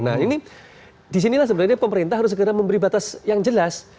nah ini disinilah sebenarnya pemerintah harus segera memberi batas yang jelas